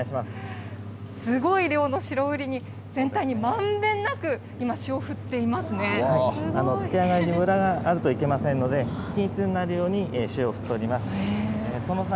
すごい量の白瓜に、全体にまんべんなく今、漬け上がりにむだがあるといけませんので、均一になるように塩を振っております。